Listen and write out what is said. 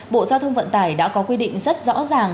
bộ giao thông vận tải đã có quy định rất rõ ràng